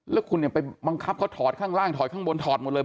แล้วคุณเนี่ยไปบังคับเขาถอดข้างล่างถอดข้างบนถอดหมดเลย